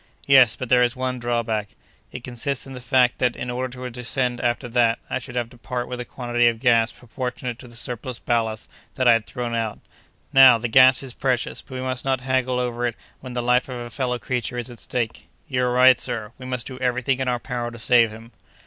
"Yes; but there is one drawback: it consists in the fact that, in order to descend after that, I should have to part with a quantity of gas proportionate to the surplus ballast that I had thrown out. Now, the gas is precious; but we must not haggle over it when the life of a fellow creature is at stake." "You are right, sir; we must do every thing in our power to save him."